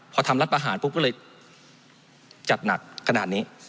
พอทำลัดประหารก็เลยกลับหนัดขนาดนี้